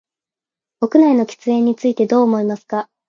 屋内の喫煙についてどう思いますか。